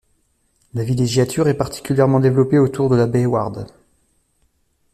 La villégiature est particulièrement développée autour de la baie Ward.